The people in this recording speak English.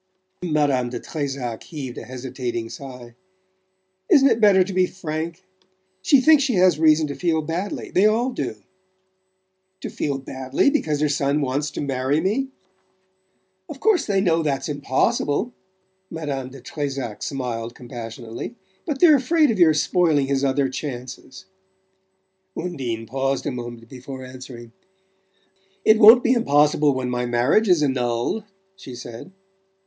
Madame de Trezac heaved a hesitating sigh. "Isn't it better to be frank? She thinks she has reason to feel badly they all do." "To feel badly? Because her son wants to marry me?" "Of course they know that's impossible." Madame de Trezac smiled compassionately. "But they're afraid of your spoiling his other chances." Undine paused a moment before answering, "It won't be impossible when my marriage is annulled," she said.